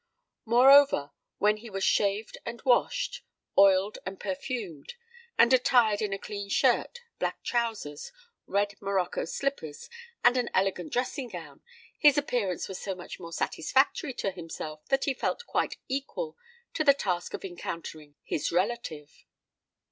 Moreover, when he was shaved and washed,—oiled and perfumed,—and attired in a clean shirt, black trousers, red morocco slippers, and an elegant dressing gown, his appearance was so much more satisfactory to himself that he felt quite equal to the task of encountering his relative.